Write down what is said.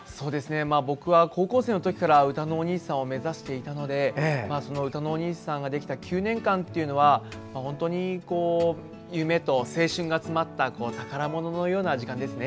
僕は高校生のときからうたのおにいさんを目指していたのでうたのおにいさんができた９年間というのは本当に夢と青春が詰まった宝物のような時間です。